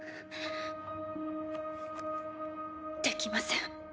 できません。